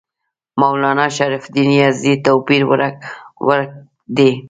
مولنا شرف الدین یزدي توپیر ورک دی.